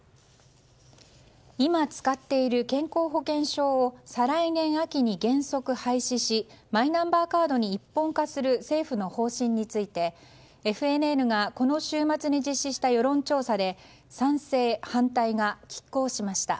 今使っている健康保険証を再来年秋に原則廃止しマイナンバーカードに一本化する政府の方針についてＦＮＮがこの週末に実施した世論調査で賛成、反対が拮抗しました。